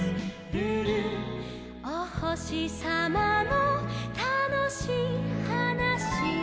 「おほしさまのたのしいはなし」